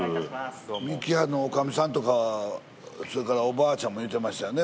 三木半の女将さんとかそれからおばあちゃんもいてましたよね。